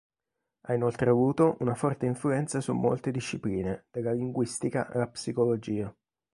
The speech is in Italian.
Ha inoltre avuto una forte influenza su molte discipline, dalla linguistica alla psicologia.